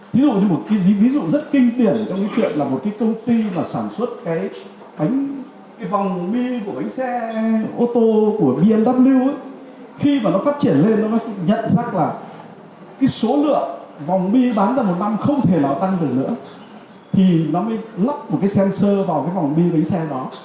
thì nó mới lóc một cái sensor vào cái vòng bi đánh xe đó